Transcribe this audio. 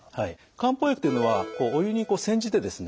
漢方薬というのはお湯にこう煎じてですね